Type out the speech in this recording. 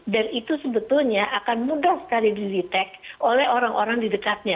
dan itu sebetulnya akan mudah sekali ditek oleh orang orang di dekatnya